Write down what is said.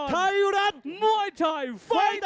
ไทยรัฐมวยไทยไฟเตอร์